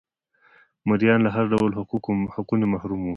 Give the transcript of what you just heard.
مریان له هر ډول حقونو محروم وو.